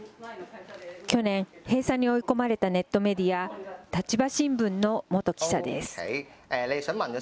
去年、閉鎖に追い込まれたネットメディア、立場新聞の元記者です。